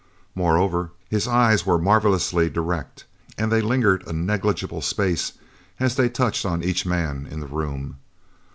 Moreover, his eyes were marvellously direct, and they lingered a negligible space as they touched on each man in the room.